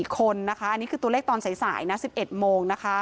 คนนะคะอันนี้คือตัวเลขตอนสายนะ๑๑โมงนะคะ